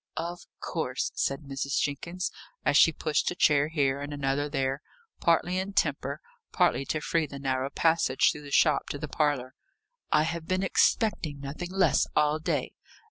"Of course," said Mrs. Jenkins, as she pushed a chair here and another there, partly in temper, partly to free the narrow passage through the shop to the parlour. "I have been expecting nothing less all day.